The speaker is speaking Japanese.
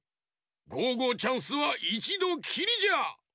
ゴーゴーチャンスはいちどきりじゃ！